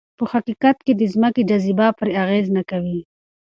په حقیقت کې د ځمکې جاذبه پرې اغېز نه کوي.